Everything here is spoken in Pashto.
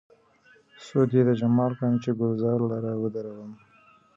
سود يې د جمال کړم، چې ګلزار لره ودرومم